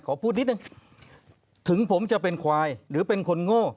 ขอพูดนิดนึงถึงผมจะเป็นควายหรือเป็นคนโง่